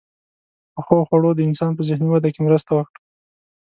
• پخو خوړو د انسان په ذهني وده کې مرسته وکړه.